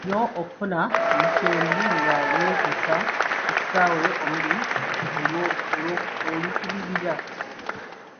Kirungi nnyo okufuna omusembi nga yeekuusa ku kisaawe omuli ky'oluubirira.